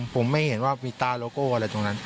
ผมไม่เห็นว่าวีต้าโลโก้อะไรตรงนั้น